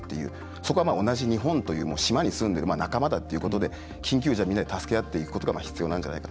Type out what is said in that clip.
そこは同じ日本という島に住んでる仲間だということで緊急時はみんなで助け合っていくことが必要なんじゃないか。